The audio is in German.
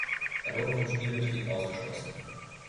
Er wurde vom Spielbetrieb ausgeschlossen.